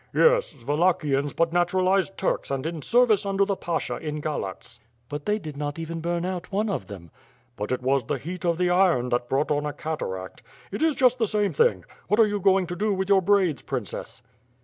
"Yes, Wallachians but naturalized Turks and in service \fndev the pasha in Galatz." • "But they did not even burn out one of them/' "But it was the heat of the iron that brought on a cataract. It is just the same thing. What are you going to do with your braids, princess.'